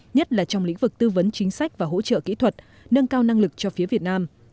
nhất là trong lĩnh vực tư vấn chính sách và hỗ trợ kỹ thuật nâng cao năng lực cho phía việt nam